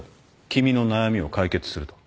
君の悩みを解決すると。